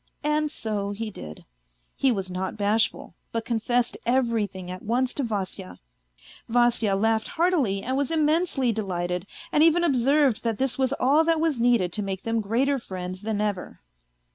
And so he did; he was not bashful, but confessed everything at once to Vasya. Vasya laughed heartily and was immensely delighted, and even observed that this was all that was needed to make them greater friends than ever.